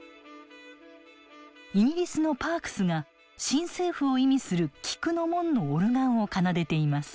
イギリスのパークスが新政府を意味する菊の紋のオルガンを奏でています。